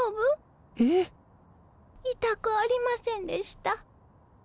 ええ⁉痛くありませんでした？